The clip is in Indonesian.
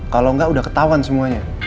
kalo engga udah ketauan semuanya